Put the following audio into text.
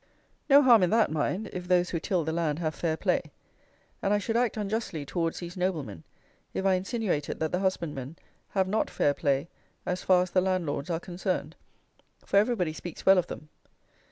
No harm in that, mind, if those who till the land have fair play; and I should act unjustly towards these noblemen if I insinuated that the husbandmen have not fair play as far as the landlords are concerned; for everybody speaks well of them.